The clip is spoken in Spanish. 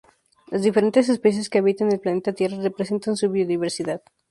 Las diferentes especies que habitan el planeta Tierra representan su biodiversidad.